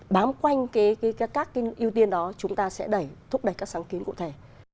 bám quanh các ưu tiên đó chúng ta sẽ thúc đẩy các sáng kiến cụ thể